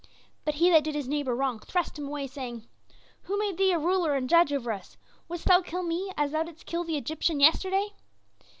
"But he that did his neighbor wrong thrust him away, saying, 'Who made thee a ruler and a judge over us? Wouldst thou kill me, as thou didst kill the Egyptian yesterday?